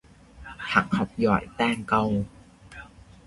Hắn học giỏi tàng cầu